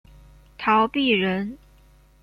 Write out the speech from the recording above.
陶弼人。